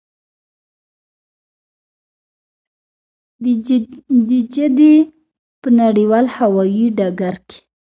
د جدې په نړیوال هوايي ډګر کې.